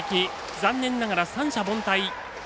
残念ながら、三者凡退。